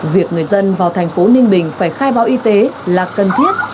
việc người dân vào thành phố ninh bình phải khai báo y tế là cần thiết